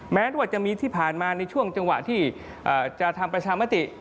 แม้ว่าจะมีที่ผ่านมาในช่วงจังหวะที่จะทำประชามติ